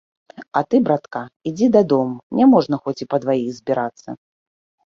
І ты, братка, ідзі дадому, няможна хоць і па дваіх збірацца.